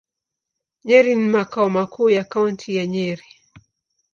Nyeri ni makao makuu ya Kaunti ya Nyeri.